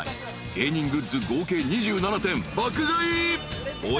芸人グッズ合計２７点爆買い］